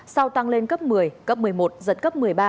sau tăng lên cấp một mươi cấp một mươi một giật cấp một mươi ba